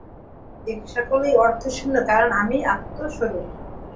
এ-সকলই অর্থশূন্য, কারণ আমি আত্মস্বরূপ।